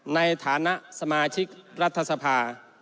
ในฐานะสมาชิกรัฐสภา